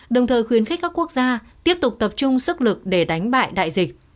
đồng thời khuyến khích các quốc gia tiếp tục tập trung sức lực để đánh bại đại dịch